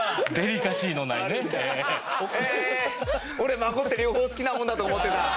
俺孫って両方好きなもんだと思ってた。